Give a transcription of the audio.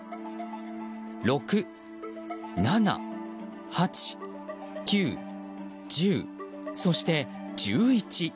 ６、７、８、９、１０そして１１。